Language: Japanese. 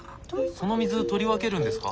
その水取り分けるんですか？